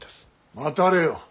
待たれよ。